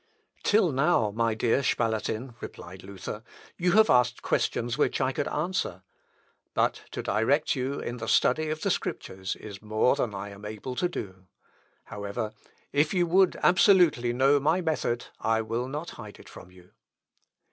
"Till now, my dear Spalatin," replied Luther, "you have asked questions which I could answer. But to direct you in the study of the Scriptures is more than I am able to do. However, if you would absolutely know my method, I will not hide it from you.